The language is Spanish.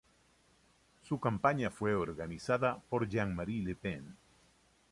Su campaña fue organizada por Jean-Marie Le Pen.